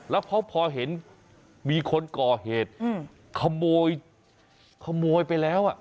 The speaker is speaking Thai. แล้วพอเห็นมีคนก่อเหตุขโมยขโมยไปแล้ว